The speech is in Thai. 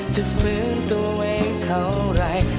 จะฟื้นตัวไว้เท่าไร